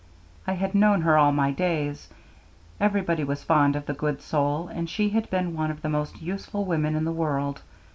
I had known her all my days. Everybody was fond of the good soul, and she had been one of the most useful women in the world.